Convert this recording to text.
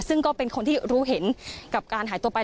ซึ่งก็เป็นคนที่รู้เห็นกับการหายตัวไป